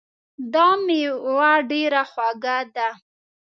دا میوه ډېره خوږه ده